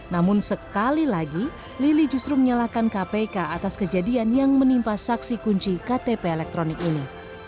namun sekali lagi lili justru menyalahkan kpk atas kejadian yang menimpa saksi kunci ktp elektronik ini